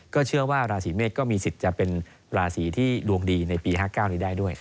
เชื่อว่าราศีเมษก็มีสิทธิ์จะเป็นราศีที่ดวงดีในปี๕๙นี้ได้ด้วย